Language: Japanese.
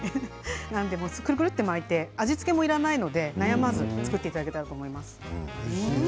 くるくると巻いて味付けもいらないので悩まず作っていただけたらと思います。